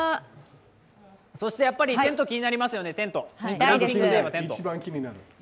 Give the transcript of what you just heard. そしてテント、気になりますよね、グランピングといえばテント。